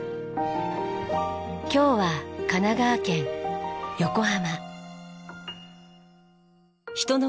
今日は神奈川県横浜。